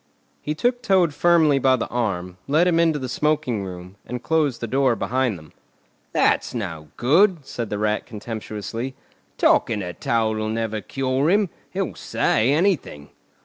He took Toad firmly by the arm, led him into the smoking room, and closed the door behind them. "That's no good!" said the Rat contemptuously. "Talking to Toad'll never cure him. He'll say anything."